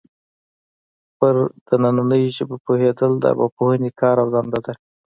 پر دنننۍ ژبې پوهېدل د ارواپوهنې کار او دنده ده